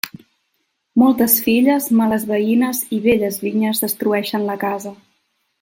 Moltes filles, males veïnes i velles vinyes destrueixen la casa.